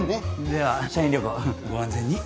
では社員旅行ご安全に。